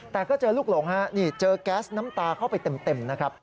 แต่ก็เจอลูกหลงฮะนี่เจอแก๊สน้ำตาเข้าไปเต็มนะครับ